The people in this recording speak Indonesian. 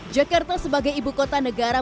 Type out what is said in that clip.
jakarta sebagai ibu kota negara